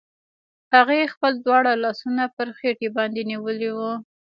هغې خپل دواړه لاسونه پر خېټې باندې نيولي وو.